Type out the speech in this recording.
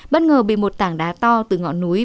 bất ngờ bị một tảng đá to từ ngọn núi